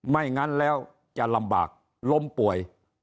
ไม่งั้นแล้วจะลำบากล้มป่วย